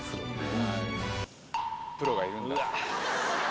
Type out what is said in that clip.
プロがいるんだ。